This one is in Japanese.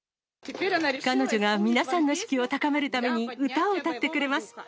彼女が皆さんの士気を高めるために、歌を歌ってくれます。